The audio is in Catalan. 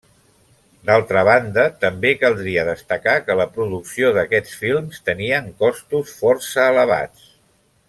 D’altra banda, també caldria destacar que la producció d’aquests films tenia costos força elevats.